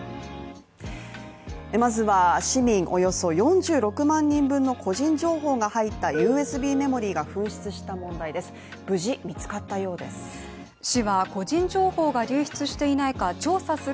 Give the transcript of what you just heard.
まずは市民およそ４６万人分の個人情報が入ったＵＳＢメモリーが紛失した問題です。